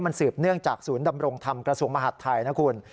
มันสืบเนื่องจากศูนย์ดำรงธรรมกระทรวงมหาดไทยนะคุณ